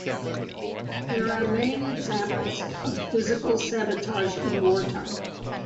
There are many examples of physical sabotage in wartime.